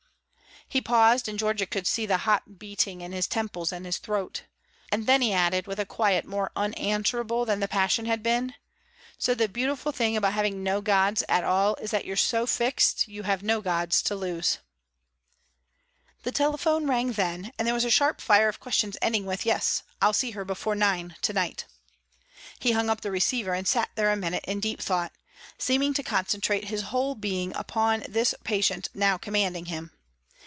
He paused, and Georgia could see the hot beating in his temples and his throat. And then he added, with a quiet more unanswerable than the passion had been: "So the beautiful thing about having no gods at all is that you're so fixed you have no gods to lose." The telephone rang then, and there was a sharp fire of questions ending with, "Yes I'll see her before nine to night." He hung up the receiver and sat there a minute in deep thought, seeming to concentrate his whole being upon this patient now commanding him.